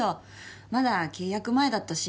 まだ契約前だったし